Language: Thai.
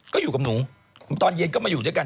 ก็อยู่กับหนูตอนเย็นก็มาอยู่ด้วยกัน